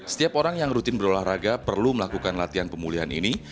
setiap orang yang rutin berolahraga perlu melakukan latihan pemulihan ini